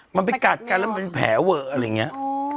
มันไปกัดกันแล้วมันแผลเวอร์อะไรอย่างเงี้ย